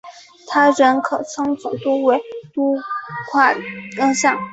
他人可称总督为督宪阁下。